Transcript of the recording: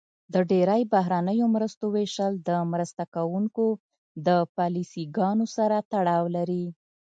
د ډیری بهرنیو مرستو ویشل د مرسته کوونکو د پالیسي ګانو سره تړاو لري.